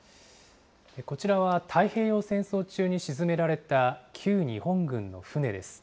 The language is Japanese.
こちらは、太平洋戦争中に沈められた旧日本軍の船です。